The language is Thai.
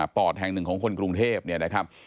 ปอดแห่งหนึ่งของคนกรุงเทพเนี่ยนะครับ